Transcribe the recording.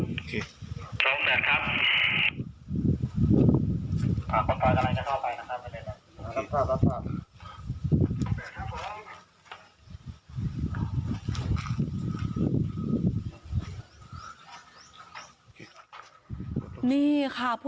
นี่ค่ะผู้ชายคนนี้เป็นชาวจีนนะคะ